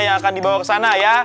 yang akan dibawa ke sana ya